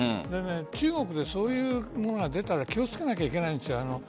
中国でそういうものが出たら気をつけなければいけないんです。